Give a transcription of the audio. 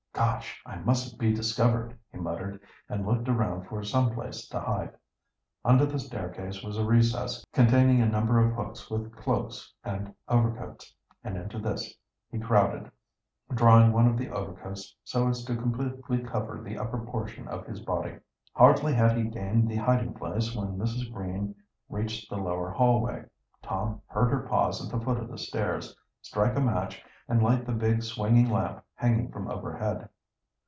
"Gosh! I mustn't be discovered!" he muttered, and looked around for some place to hide. Under the staircase was a recess containing a number of hooks with cloaks and overcoats, and into this he crowded, drawing one of the overcoats so as to completely cover the upper portion of his body. Hardly had he gained the hiding place when Mrs. Green reached the lower hallway. Tom heard her pause at the foot of the stairs, strike a match, and light the big swinging lamp hanging from overhead.